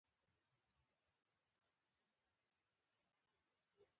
ته کامیاب یې تا تېر کړی تر هرڅه سخت امتحان دی